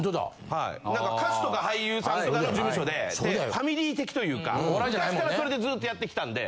はい歌手とか俳優さんとかの事務所でファミリー的というか昔からそれでずっとやってきたんで。